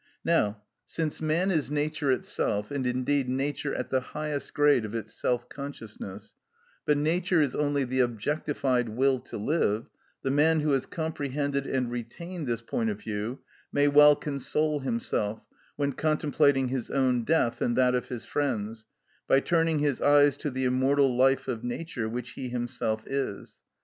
Now, since man is Nature itself, and indeed Nature at the highest grade of its self consciousness, but Nature is only the objectified will to live, the man who has comprehended and retained this point of view may well console himself, when contemplating his own death and that of his friends, by turning his eyes to the immortal life of Nature, which he himself is.